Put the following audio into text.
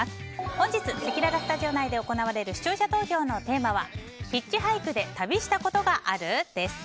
本日、せきららスタジオ内で行われる視聴者投票のテーマはヒッチハイクで旅したことがある？です。